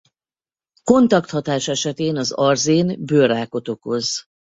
Kontakt-hatás esetén az arzén bőrrákot okoz.